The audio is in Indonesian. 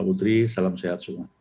putri salam sehat semua